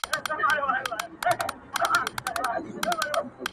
راسه – راسه جام درواخله، میکده تر کعبې ښه که,